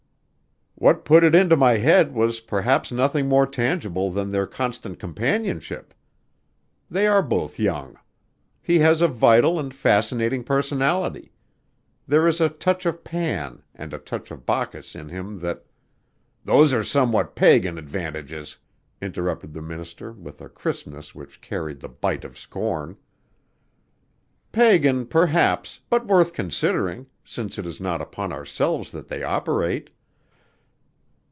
"What put it into my head was perhaps nothing more tangible than their constant companionship. They are both young. He has a vital and fascinating personality. There is a touch of Pan and a touch of Bacchus in him that " "Those are somewhat pagan advantages," interrupted the minister with a crispness which carried the bite of scorn. "Pagan perhaps, but worth considering, since it is not upon ourselves that they operate."